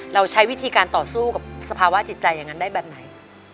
เราใช้วิธีการต่อสู้กับสภาวะจิตใจอย่างนั้นได้แบบไหน